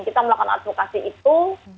kita melakukan advokasi itu